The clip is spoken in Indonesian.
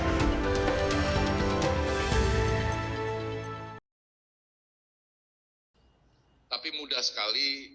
ketika dipercaya kemampuan dari penyelidikan yang dipercayai